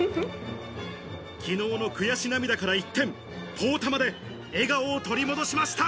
昨日の悔し涙から一転、ポーたまで笑顔を取り戻しました。